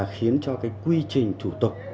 khiến cho cái quy trình thủ tục